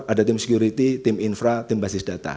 ada tim security tim infra tim basis data